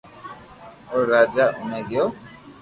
اووي راجا آوي گيو